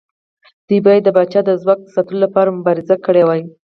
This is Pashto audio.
دوی باید د پاچا د ځواک ساتلو لپاره مبارزه کړې وای.